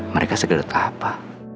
mereka segedut apa